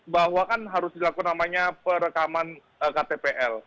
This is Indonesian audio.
bahwa kan harus dilakukan namanya perekaman ktpl